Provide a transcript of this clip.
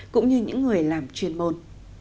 cũng như những người làm chuyên môn